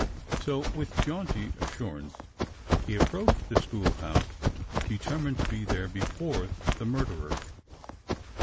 So with jaunty assurance he approached the schoolhouse, determined to be there before the murderer.